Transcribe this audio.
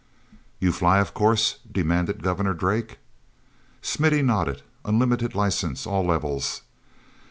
ou fly, of course?" demanded Governor Drake. Smithy nodded. "Unlimited license—all levels."